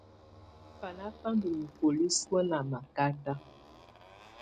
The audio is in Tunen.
Bána bá ndɔ́ mukoli suǝ́ ná makata.